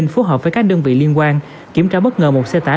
phối hợp với các đơn vị liên quan kiểm tra bất ngờ một xe tải